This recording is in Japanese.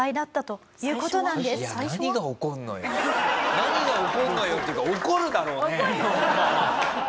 「何が起こるのよ」っていうか起こるだろうね！